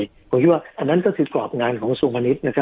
ผมคิดว่าอันนั้นก็คือกรอบงานของทรงพาณิชย์